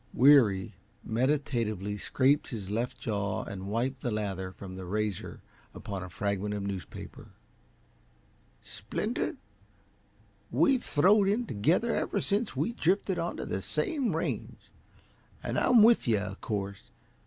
Weary meditatively scraped his left jaw and wiped the lather from the razor upon a fragment of newspaper. "Splinter, we've throwed in together ever since we drifted onto the same range, and I'm with you, uh course.